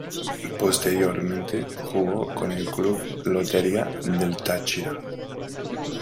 Posteriormente jugó con el Club Lotería del Táchira.